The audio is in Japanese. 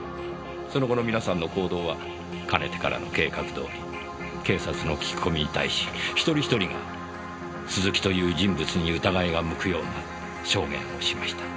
その後の皆さんの行動はかねてからの計画どおり警察の聞き込みに対し１人１人が鈴木という人物に疑いが向くような証言をしました。